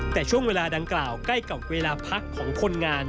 แต่ช่วงเวลาดังกล่าวใกล้กับเวลาพักของคนงาน